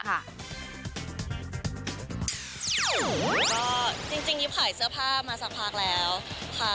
ก็จริงยิบขายเสื้อผ้ามาสักพักแล้วค่ะ